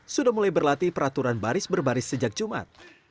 sudah mulai berlatih peraturan baris berbaris sejak jumat